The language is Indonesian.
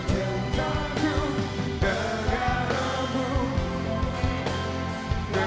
tuhan yang terhampa